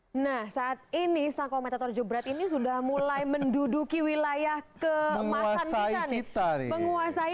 hai nah saat ini sang komentator jograt ini sudah mulai menduduki wilayah kemasan kita menguasai